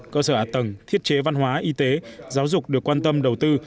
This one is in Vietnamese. cơ sở ả tầng thiết chế văn hóa y tế giáo dục được quan tâm đầu tư